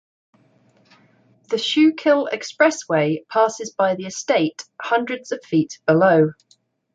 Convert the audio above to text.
The Schuylkill Expressway passes by the estate, hundreds of feet below.